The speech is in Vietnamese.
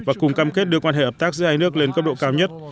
và cùng cam kết đưa quan hệ hợp tác giữa hai nước lên cấp độ cao nhất